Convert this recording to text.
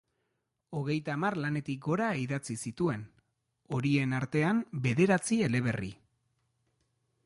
Hogeita hamar lanetik gora idatzi zituen, horien artean bederatzi eleberri.